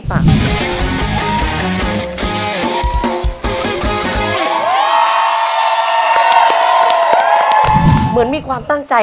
โปรดติดตามต่อไป